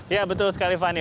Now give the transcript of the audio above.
ya betul sekali fani